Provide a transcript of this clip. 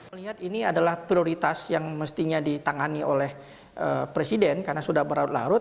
melihat ini adalah prioritas yang mestinya ditangani oleh presiden karena sudah berlarut larut